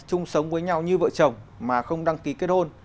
chung sống với nhau như vợ chồng mà không đăng ký kết hôn